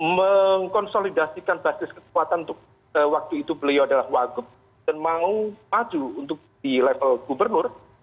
mengkonsolidasikan basis kekuatan untuk waktu itu beliau adalah wagub dan mau maju untuk di level gubernur